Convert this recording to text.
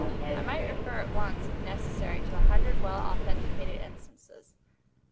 I might refer at once, if necessary, to a hundred well authenticated instances.